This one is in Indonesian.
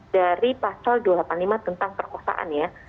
dari pasal dua ratus delapan puluh lima tentang perkosaan ya